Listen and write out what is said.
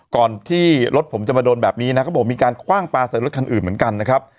ก่อนที่รถผมจะมาโดนแบบนี้นะเขาบอกมีการคว่างปลาใส่รถคันอื่นเหมือนกันนะครับ